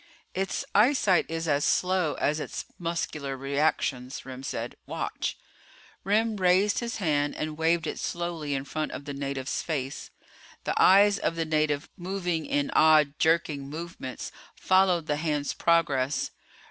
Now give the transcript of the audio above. "Its eyesight is as slow as its muscular reactions," Remm said. "Watch." Remm raised his hand and waved it slowly in front of the native's face. The eyes of the native, moving in odd, jerking movements, followed the hand's progress.